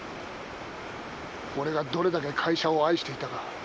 俺がどれだけ会社を愛していたか。